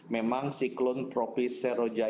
memang siklon propis seroja